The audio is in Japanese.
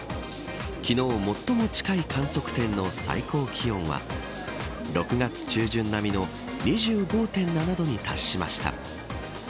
昨日、最も近い観測点の最高気温は６月中旬並みの２５．７度に達しました。